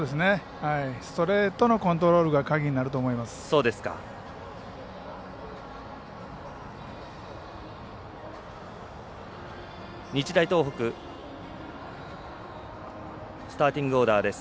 ストレートのコントロールが鍵になると思います。